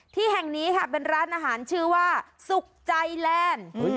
ที่แห่งนี้ค่ะเป็นร้านอาหารชื่อว่าสุขใจแลนด์